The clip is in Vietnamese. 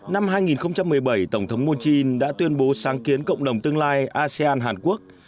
năm hai nghìn một mươi bảy tổng thống moon jae in đã tuyên bố sáng kiến cộng đồng tương lai asean hàn quốc